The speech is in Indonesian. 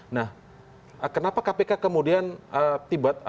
nah kenapa kpk kemudian tiba tiba